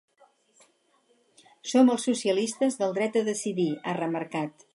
Som els socialistes del dret a decidir, ha remarcat.